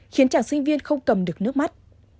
khiến chàng sinh viên không cầm được nước mắt